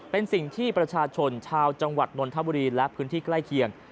เป็นสิ่งที่ประชาชนชาวจังหวัดนนทบุรีและพื้นที่ใกล้เคียง